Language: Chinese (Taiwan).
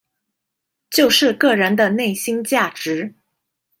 就是個人的內心價值